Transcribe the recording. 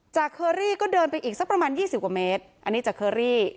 เคอรี่ก็เดินไปอีกสักประมาณยี่สิบกว่าเมตรอันนี้จากเคอรี่